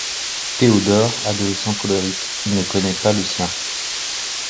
Théodore, adolescent colérique, ne connaît pas le sien.